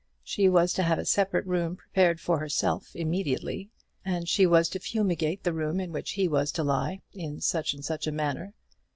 She was to have a separate room prepared for herself immediately; and she was to fumigate the room in which he was to lie, in such and such a manner.